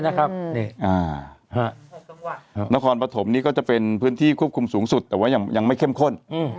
นครปฐมนี่ก็จะเป็นพื้นที่ควบคุมสูงสุดแต่ว่ายังไม่เข้มข้น